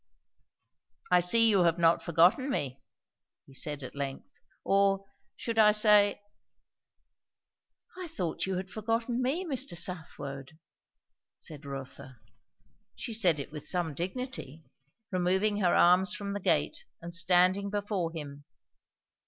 "I see you have not forgotten me," he said at length. "Or should I say " "I thought you had forgotten me, Mr. Southwode," said Rotha. She said it with some dignity, removing her arms from the gate and standing before him.